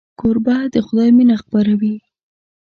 کوربه د خدای مینه خپروي.